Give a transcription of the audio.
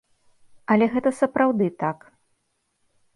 Але гэта сапраўды так.